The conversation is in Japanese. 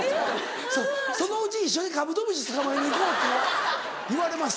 そうそのうち「一緒にカブトムシ捕まえに行こう」って言われまっせ。